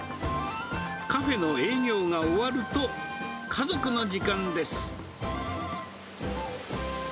カフェの営業が終わると、家族の時間です。